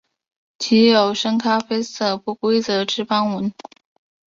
体有深咖啡色不规则之斑纹。